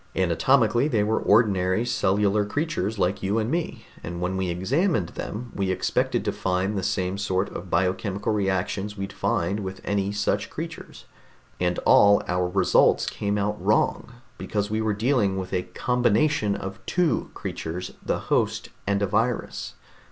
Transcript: Anatomically they were ordinary cellular creatures like you and me, and when we examined them we expected to find the same sort of biochemical reactions we'd find with any such creatures. And all our results came out wrong, because we were dealing with a combination of two creatures the host and a virus.